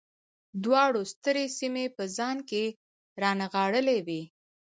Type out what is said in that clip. دواړو سترې سیمې په ځان کې رانغاړلې وې.